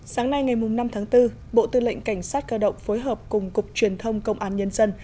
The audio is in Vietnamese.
sáng nay ngày năm tháng bốn bộ tư lệnh cảnh sát cơ động phối hợp cùng cục truyền thông công an nhân dân